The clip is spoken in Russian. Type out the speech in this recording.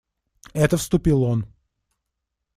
Это вступил он.